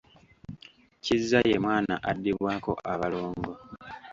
Kizza ye mwana addibwako abalongo.